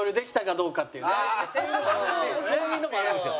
そういうのもあるんですよ。